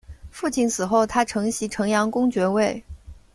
父亲死后他承袭城阳公爵位。